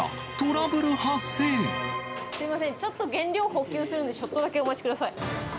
すみません、ちょっと原料補給するんで、ちょっとだけお待ちください。